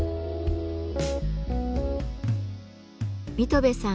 水戸部さん